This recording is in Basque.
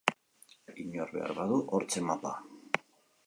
Inork behar badu, hortxe mapa.